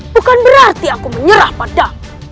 bukan berarti aku menyerah padamu